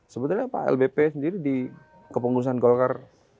sebetulnya pak lbp sendiri di kepengurusan golkar